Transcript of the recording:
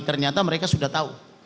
ternyata mereka sudah tahu